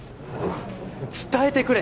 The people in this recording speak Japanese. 伝えてくれ！